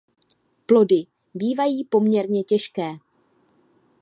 Plody bývají poměrně těžké.